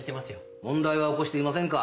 問題は起こしていませんか？